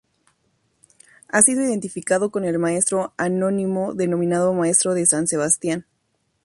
Ha sido identificado con el maestro anónimo denominado Maestro de San Sebastián.